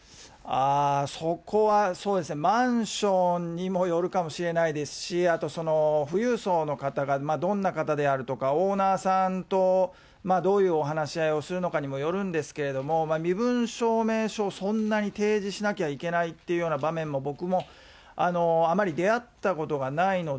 そこはそうですね、マンションにもよるかもしれないですし、あとその富裕層の方がどんな方であるとか、オーナーさんとどういうお話し合いをするのかにもよるんですけど、身分証明書、そんなに提示しなきゃいけないっていうような場面も、僕もあまり出会ったことがないので。